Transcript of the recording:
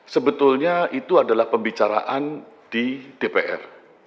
sebetulnya itu adalah pembicaraan di dpr